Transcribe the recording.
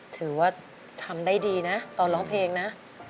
ถือว่าทำได้ดีนะตอนร้องเพลงนะ